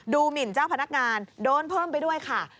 หมินเจ้าพนักงานโดนเพิ่มไปด้วยค่ะ